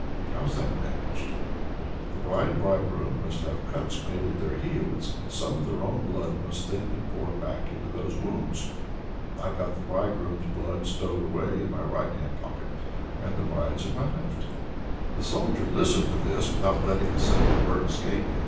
"How's that managed?" "The bride and bridegroom must have cuts made in their heels, and some of their own blood must then be poured back into those wounds. I've got the bridegroom's blood stowed away in my right hand pocket, and the bride's in my left." The Soldier listened to this without letting a single word escape him.